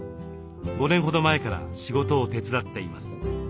５年ほど前から仕事を手伝っています。